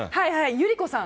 百合子さん！